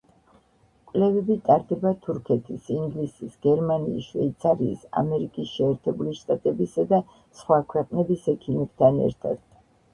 კვლევები ტარდება თურქეთის, ინგლისის, გერმანიის, შვეიცარიის, ამერიკის შეერთებული შტატებისა და სხვა ქვეყნების ექიმებთან ერთად.